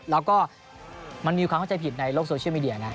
แล้วก็มันมีความเข้าใจผิดในโลกโซเชียลมีเดียนะ